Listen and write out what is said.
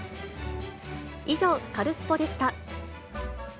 以上、カルスポっ！でした。